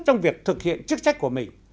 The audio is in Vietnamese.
trong việc thực hiện chức trách của mình